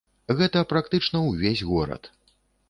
Гэта практычна ўвесь горад.